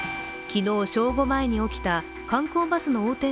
昨日正午前に起きた観光バスの横転